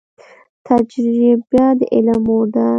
تجریبه د علم مور ده